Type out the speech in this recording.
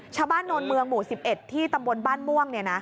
ชาวบ้านโนลด์เมืองหมู่๑๑ที่ตำบลบ้านม่วง